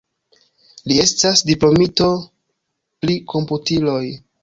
Li estas diplomito pri komputiloj.